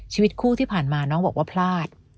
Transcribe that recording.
ชีวิตคู่ที่ผ่านมาน้องบอกว่าพลาด